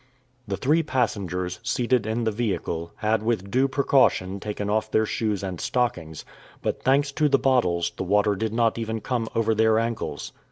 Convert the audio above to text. The three passengers, seated in the vehicle, had with due precaution taken off their shoes and stockings; but, thanks to the bottles, the water did not even come over their ankles.